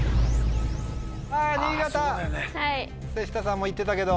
瀬下さんも言ってたけど。